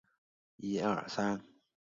陈植棋出生于汐止